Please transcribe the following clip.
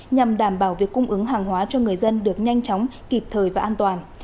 nhằm đảm bảo việc cung ứng hàng hóa cho người dân được nhanh chóng kịp thời và an toàn